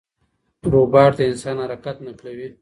روباټ د انسان حرکت نقلوي.